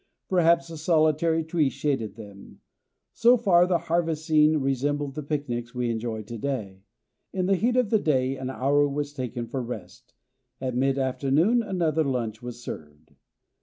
Perhaps a solitary tree shaded them. So far the harvest scene resembled the picnics we enjoy to day. In the heat of the day an hour was taken for rest. At mid afternoon another lunch was served.